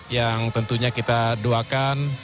yang tentunya kita doakan